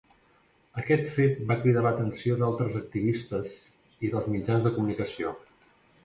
Aquest fet va cridar l'atenció d'altres activistes i dels mitjans de comunicació.